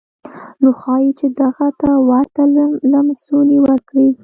نو ښايي چې دغه ته ورته لمسونې وکړي.